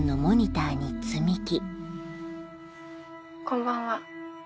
こんばんは。